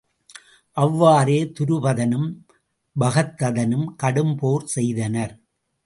அவ்வாறே துருபதனும் பகதத்தனும் கடும் போர் செய்தனர்.